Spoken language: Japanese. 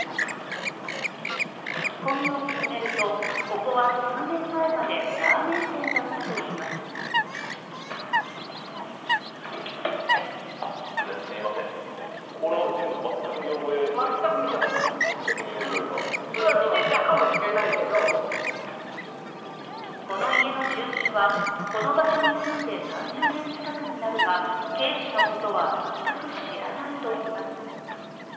聞き込みを進めると、ここは数年前までラーメン店だったといいますこの家の住民は、この場所に住んで３０年近くになるが、Ｋ氏のことは全く知らないといいます。